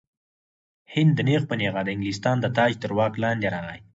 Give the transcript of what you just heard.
هند نیغ په نیغه د انګلستان د تاج تر واک لاندې راغی.